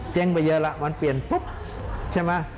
ไปเยอะแล้วมันเปลี่ยนปุ๊บใช่ไหม